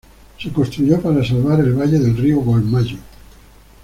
Se construyó para salvar el valle del río Golmayo.